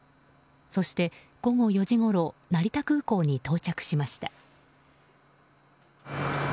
そして午後４時ごろ成田空港に到着しました。